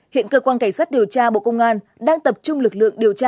hiện cơ quan cảnh sát điều tra bộ công an đang tập trung lực lượng điều tra